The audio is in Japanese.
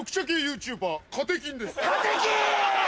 カテキン！